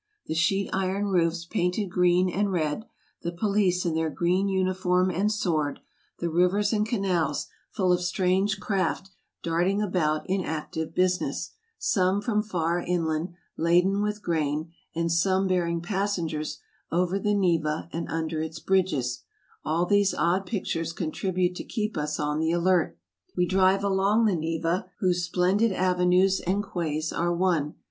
The sheet iron roofs painted green and red ; the police in their green uniform and sword; the rivers and canals, full of EUROPE 239 strange craft darting about in active business, some from far inland, laden with grain, and some bearing passengers over the Neva and under its bridges — all these odd pictures con tribute to keep us on the alert. We drive along the Neva, whose splendid avenues and quays are one.